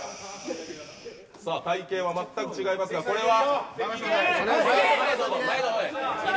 体型はまったく違いますがこれは。